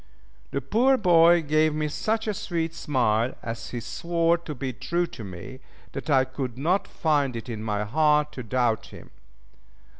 The poor boy gave me such a sweet smile as he swore to be true to me, that I could not find it in my heart to doubt him.